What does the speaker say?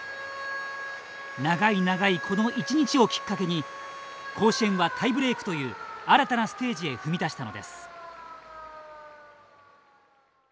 長い長いこの一日をきっかけに甲子園はタイブレークという新たなステージへ踏み出したのです。